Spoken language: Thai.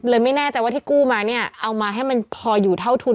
ไม่แน่ใจว่าที่กู้มาเนี่ยเอามาให้มันพออยู่เท่าทุน